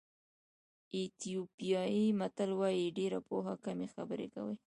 ایتیوپیایي متل وایي ډېره پوهه کمې خبرې کوي.